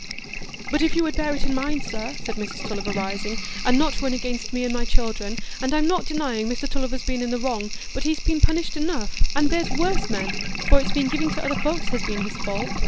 "But if you would bear it in mind, sir," said Mrs Tulliver, rising, "and not run against me and my children; and I'm not denying Mr Tulliver's been in the wrong, but he's been punished enough, and there's worse men, for it's been giving to other folks has been his fault.